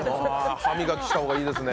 歯磨きした方がいいですね。